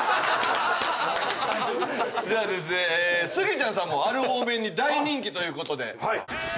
じゃあですねスギちゃんさんもある方面に大人気ということで。